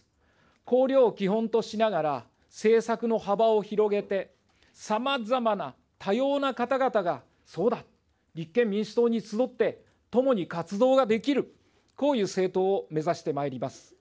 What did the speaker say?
綱領を基本としながら政策の幅を広げて、さまざまな多様な方々が、そうだ、立憲民主党に集ってともに活動ができる、こういう政党を目指してまいります。